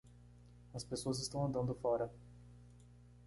As pessoas estão andando fora.